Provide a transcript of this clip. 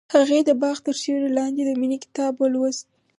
هغې د باغ تر سیوري لاندې د مینې کتاب ولوست.